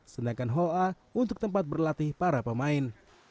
sedangkan hoa untuk tempat berlatih para pemain